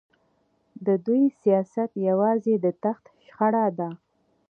د دوی سیاست یوازې د تخت شخړه ده.